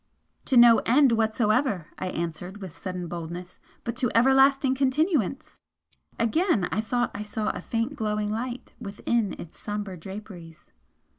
"To no End whatsoever," I answered with sudden boldness "But to everlasting Continuance!" Again I thought I saw a faint glowing light within its sombre draperies.